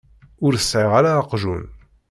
Ur sɛiɣ ara aqjun.